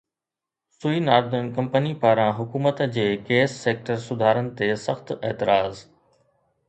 سوئي northern company پاران حڪومت جي گيس سيڪٽر سڌارن تي سخت اعتراض